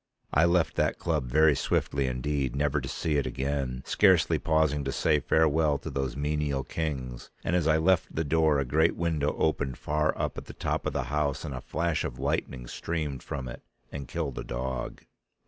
I left that club very swiftly indeed, never to see it again, scarcely pausing to say farewell to those menial kings, and as I left the door a great window opened far up at the top of the house and a flash of lightning streamed from it and killed a dog.